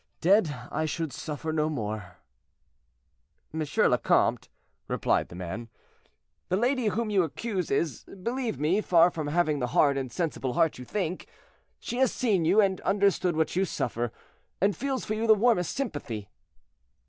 Dead, I should suffer no more." "M. le Comte," replied the man, "the lady whom you accuse is, believe me, far from having the hard, insensible heart you think; she has seen you, and understood what you suffer, and feels for you the warmest sympathy."